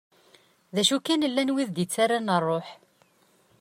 D acu kan llan wid i d-yettaran rruḥ.